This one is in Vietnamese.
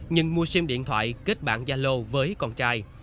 nhưng mua sim điện thoại kết bạn gia lô với con trai